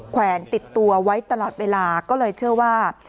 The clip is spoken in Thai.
แนนติดตัวไว้ตลอดเวลาก็เลยเชื่อว่า